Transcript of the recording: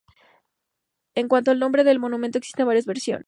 En cuanto al nombre del monumento existen varias versiones.